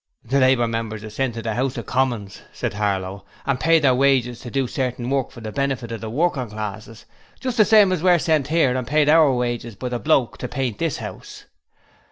'The Labour members is sent to the 'Ouse of Commons,' said Harlow, 'and paid their wages to do certain work for the benefit of the working classes, just the same as we're sent 'ere and paid our wages by the Bloke to paint this 'ouse.'